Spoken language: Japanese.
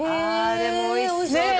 でもおいしそうだなー。